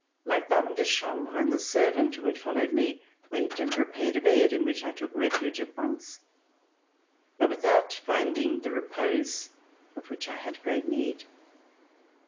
My femme de chambre and the servant who had followed me went and prepared a bed in which I took refuge at once, but without finding the repose of which I had great need.